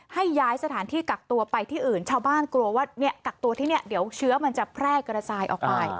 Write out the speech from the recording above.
ให้ย้ายสถานที่กักตัวไปที่อื่นชาวบ้านกลัวว่าเนี่ยกักตัวที่เนี่ยเดี๋ยวเชื้อมันจะแพร่กระจายออกไป